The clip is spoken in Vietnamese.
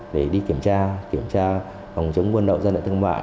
để đi kiểm tra kiểm tra phòng chống quân đội dân ở thương mại